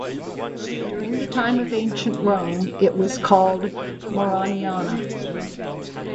During the time of Ancient Rome, it was called "Mariniana".